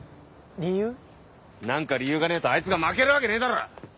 何か理由がねえとあいつが負けるわけねえだろ！